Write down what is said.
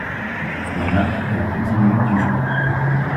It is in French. La map est la plus dynamique du jeu.